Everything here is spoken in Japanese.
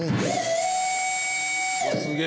すげえ！